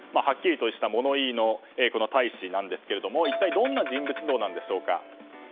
はっきりとした物言いの大使なんですけども一体どんな人物像なんでしょうか。